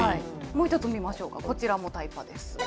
もう一つ見ましょうか、こちらもタイパです。